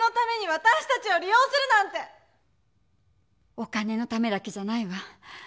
お金のためだけじゃないわ。